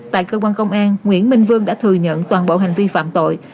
tại cơ quan công an nguyễn minh vương đã thừa nhận toàn bộ hành vi phạm tội